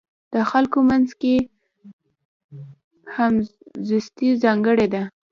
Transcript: د خلکو منځ کې همزیستي ځانګړې ده.